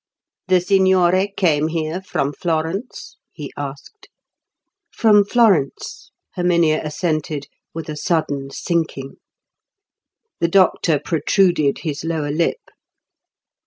"The signore came here from Florence?" he asked. "From Florence," Herminia assented, with a sudden sinking. The doctor protruded his lower lip.